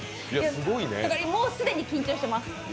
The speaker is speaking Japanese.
もう既に緊張してます。